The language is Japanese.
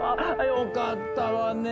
よかったわね。